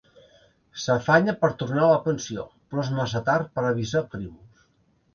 S'afanya per tornar a la pensió, però és massa tard per avisar Primus.